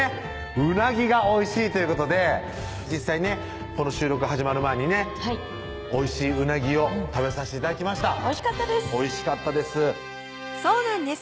うなぎがおいしいということで実際ねこの収録が始まる前にねはいおいしいうなぎを食べさせて頂きましたおいしかったですおいしかったですそうなんです